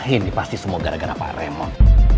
ini pasti semua gara gara pak remon